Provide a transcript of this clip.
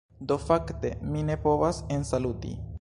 Do fakte mi ne povas ensaluti.